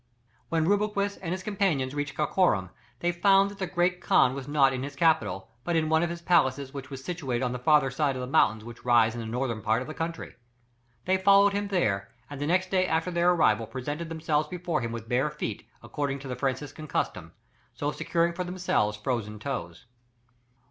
When Rubruquis and his companions reached Karakorum, they found that the great khan was not in his capital, but in one of his palaces which was situated on the further side of the mountains which rise in the northern part of the country. They followed him there, and the next day after their arrival presented themselves before him with bare feet, according to the Franciscan custom, so securing for themselves frozen toes.